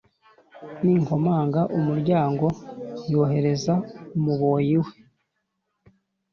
Ninkomanga umuryango yohereze umuboyi we